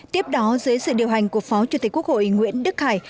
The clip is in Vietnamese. tiếp đó dưới sự điều hành của phó chủ tịch quốc hội nguyễn đức khải